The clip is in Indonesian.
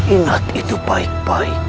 ingat itu baik baik